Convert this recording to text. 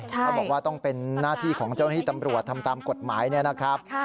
เขาบอกว่าต้องเป็นหน้าที่ของเจ้าหน้าที่ตำรวจทำตามกฎหมายเนี่ยนะครับ